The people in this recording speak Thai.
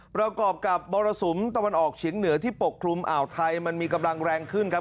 ประกอบกับมรสุมตะวันออกเฉียงเหนือที่ปกคลุมอ่าวไทยมันมีกำลังแรงขึ้นครับ